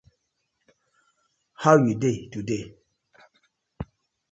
How you dey today?